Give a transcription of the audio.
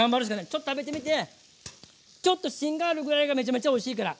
ちょっと食べてみてちょっと芯があるぐらいがめちゃめちゃおいしいから。